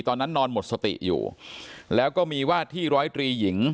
นอนหมดสติอยู่แล้วก็มีวาดที่ร้อยตรีหญิง